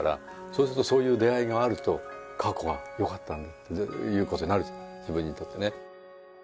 そうするとそういう出会いがあると過去が良かったんだという事になるじゃない自分にとってね。